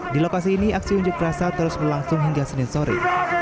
di lokasi ini aksi unjuk rasa terus berlangsung hingga senin sore